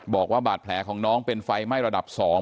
บอกว่าบาดแผลของน้องเป็นไฟไหม้ระดับ๒